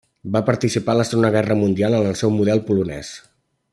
Va participar en la Segona Guerra Mundial en el seu model polonès.